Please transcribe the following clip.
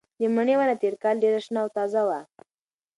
د مڼې ونه تېر کال ډېره شنه او تازه وه.